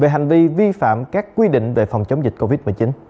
về hành vi vi phạm các quy định về phòng chống dịch covid một mươi chín